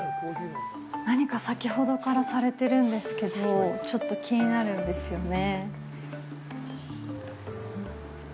何か先ほどからされているんですけどちょっと気になるんですよね。